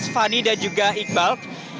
fanny dan juga iqbal